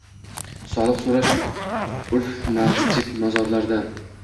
Soliq soʼrash urf masjid-mozorlardan.